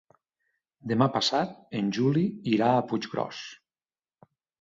Demà passat en Juli irà a Puiggròs.